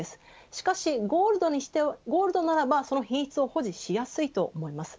しかしゴールドならばその品質を保持しやすいと思います。